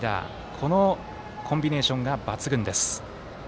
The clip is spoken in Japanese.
このコンビネーションが抜群です。